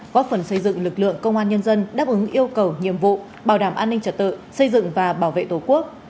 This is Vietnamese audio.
góp phần xây dựng lực lượng công an nhân dân đáp ứng yêu cầu nhiệm vụ bảo đảm an ninh trật tự xây dựng và bảo vệ tổ quốc